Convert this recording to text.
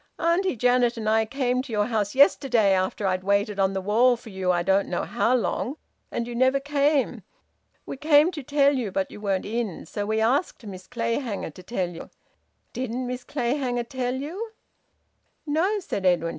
Auntie Janet and I came to your house yesterday, after I'd waited on the wall for you I don't know how long, and you never came. We came to tell you, but you weren't in. So we asked Miss Clayhanger to tell you. Didn't Miss Clayhanger tell you?" "No," said Edwin.